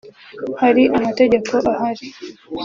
hari amategeko ahari